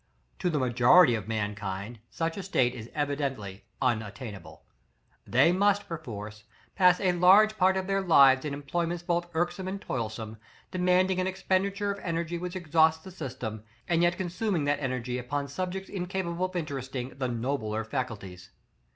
To the majority of mankind, such a state is evidently unattainable. They must, perforce, pass a large part of their lives in employments both irksome and toilsome, demanding an expenditure of energy which exhausts the system, and yet consuming that energy upon subjects incapable of interesting the nobler faculties.